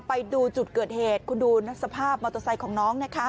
ไปดูจุดเกิดเหตุคุณดูสภาพมอเตอร์ไซค์ของน้องนะคะ